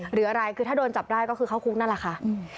หรืออะไรคือถ้าโดนจับได้ก็คือเข้าคุกนั่นแหละค่ะ